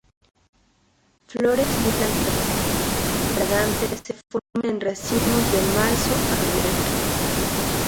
Flores blancas fragantes se forman en racimos de marzo a noviembre.